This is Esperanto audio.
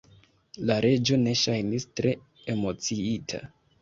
La Reĝo ne ŝajnis tre emociita.